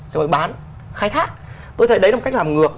xong rồi bán khai thác tôi thấy đấy là một cách làm ngược